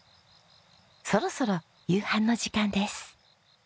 そろそろ夕飯の時間です。